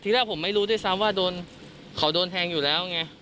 แรกผมไม่รู้ด้วยซ้ำว่าเขาโดนแทงอยู่แล้วไง